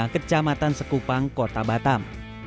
kecamatan sekupang kota batam